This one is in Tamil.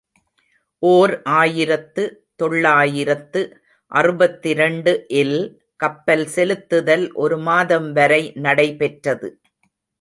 ஓர் ஆயிரத்து தொள்ளாயிரத்து அறுபத்திரண்டு இல் கப்பல் செல்லுதல் ஒரு மாதம் வரை நடைபெற்றது.